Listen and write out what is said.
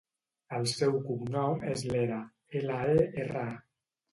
El seu cognom és Lera: ela, e, erra, a.